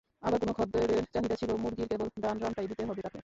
আবার কোনো খদ্দেরের চাহিদা ছিল—মুরগির কেবল ডান রানটাই দিতে হবে তাঁকে।